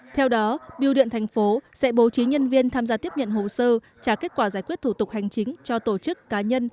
theo đó biêu điện tp sẽ bố trí nhân viên tham gia tiếp nhận hồ sơ trả kết quả giải quyết thủ tục hành chính cho tổ chức cá nhân